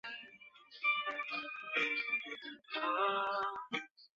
结果不少书迷都认为这种结局相当失败。